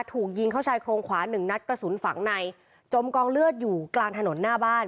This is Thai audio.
ถูกยิงเข้าชายโครงขวาหนึ่งนัดกระสุนฝังในจมกองเลือดอยู่กลางถนนหน้าบ้าน